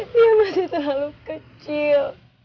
dia masih terlalu kecil